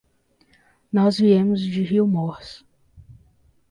Nós viemos de Riumors.